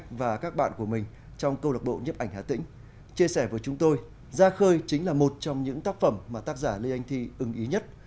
và các bạn của mình trong câu lạc bộ nhiếp ảnh hà tĩnh chia sẻ với chúng tôi ra khơi chính là một trong những tác phẩm mà tác giả lê anh thi ưng ý nhất